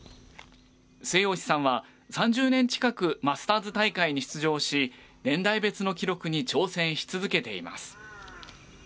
末吉さんは３０年近くマスターズ大会に出場し年代別の記録に挑戦し続けています。